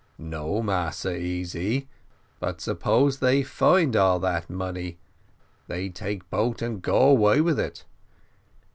"No, Massa Easy, but suppose they find all that money, they take boat and go away with it.